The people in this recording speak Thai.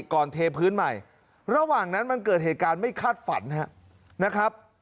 เทพื้นใหม่ระหว่างนั้นมันเกิดเหตุการณ์ไม่คาดฝันนะครับ